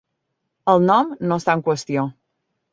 El nom no està en qüestió.